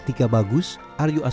jadi kita harus berhati hati